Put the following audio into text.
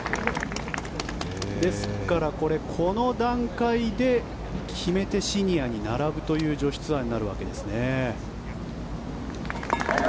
ですからこれ、この段階で決めてシニアに並ぶという女子ツアーになるわけですね。